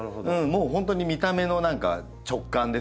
もう本当に見た目の何か直感ですね。